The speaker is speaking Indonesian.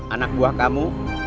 anak buah kamu